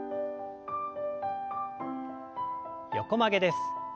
横曲げです。